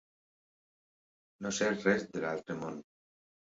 No ser res de l'altre món.